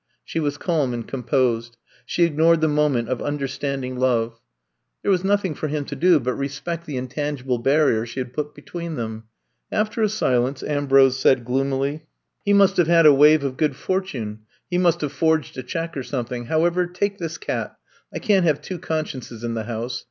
She was calm and composed. She ignored the moment of un derstanding love. I'VE COMB TO STAY 123 There was nothing for him to do but re spect the intangible barrier she had put be tween them. After a silence Ambrose said gloomily :He must have had a wave of good for tune ; he must have forged a check or some thing ; however, take this cat. I can 't have two consciences in the house.